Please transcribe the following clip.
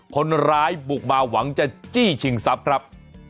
คนร้ายบุกมาหวังจะจี้ชิงทรัพย์ครับ